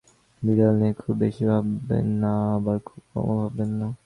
বিড়াল নিয়ে খুব বেশি ভাববেন না, আবার খুব কমও ভাববেন না।